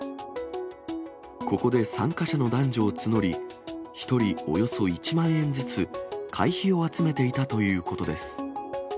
ここで参加者の男女を募り、１人およそ１万円ずつ、会費を集めていたということです。